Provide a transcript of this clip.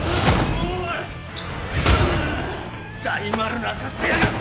大丸泣かせやがって！